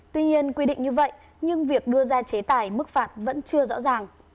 tuy nhiên quy định như vậy nhưng việc đưa ra chế tài mức phạt vẫn chưa rõ ràng